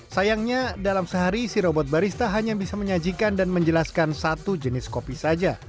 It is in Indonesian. sayangnya dalam sehari si robot barista hanya bisa menyajikan dan menjelaskan satu jenis kopi saja